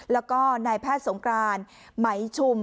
แล้วก็นายแพทย์สงกรานไหมชุม